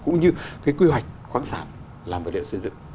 cũng như cái quy hoạch khoáng sản làm vật liệu xây dựng